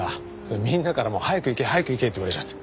みんなから早く行け早く行けって言われちゃって。